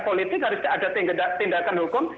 politik harus ada tindakan hukum